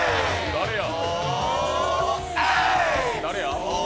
誰や？